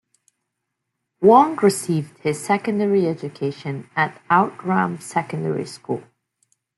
Wong received his secondary education at Outram Secondary School.